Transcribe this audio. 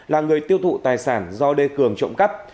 là người tiêu thụ tài sản do đê cường trộm cắp